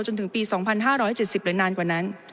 จนถึงปี๒๕๗๐หรือนานกว่านั้น